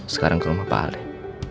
sekarang ke rumah pak al deh